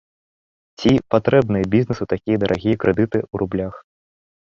Ці патрэбныя бізнэсу такія дарагія крэдыты ў рублях?